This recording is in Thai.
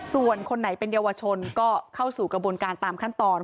ส่วนคนไหนเป็นเยาวชนก็เข้าสู่กระบวนการตามขั้นตอน